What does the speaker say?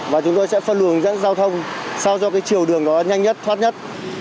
và chúng tôi sẽ phân lường dẫn giao thông sau do cái chiều đường đó nhanh nhất thoát nhất